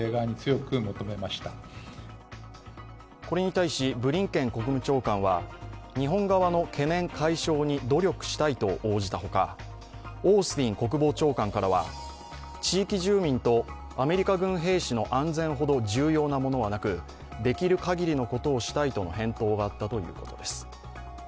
これに対しブリンケン国務長官は、日本側の懸念解消に努力したいと応じたほかオースティン国防長官からは、地域住民とアメリカ軍兵士の安全ほど重要なものはなく、できる限りのことをしたいとの返答があったとのことです。